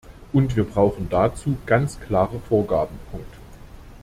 Und wir brauchen dazu ganz klare Vorgaben.